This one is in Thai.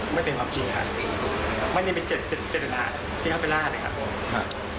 ไม่เป็นความจริงค่ะไม่ได้เป็นเจษนาที่เข้าไปลาดเนี่ยครับ